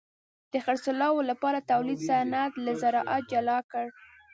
د خرڅلاو لپاره تولید صنعت له زراعت جلا کړ.